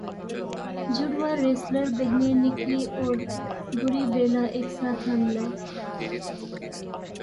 جڑواں wrestler بہنیں Nikki اور بری بیلا ایک ساتھ حاملہ